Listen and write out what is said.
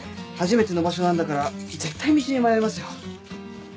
初めての場所なんだから絶対道に迷いますよ。